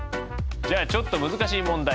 じゃあちょっと難しい問題。